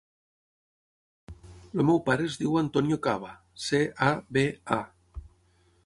El meu pare es diu Antonio Caba: ce, a, be, a.